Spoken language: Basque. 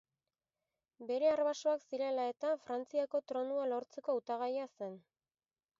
Bere arbasoak zirela eta Frantziako tronua lortzeko hautagaia zen.